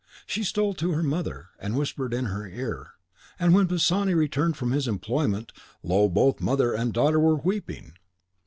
She stole to her mother, and whispered in her ear; and when Pisani turned from his employment, lo! both mother and daughter were weeping.